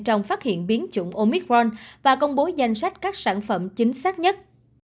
trong phát hiện biến chủng omicron và công bố danh sách các sản phẩm chính xác nhất